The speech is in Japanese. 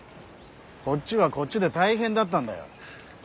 こっちはこっちで大変だったんだよ。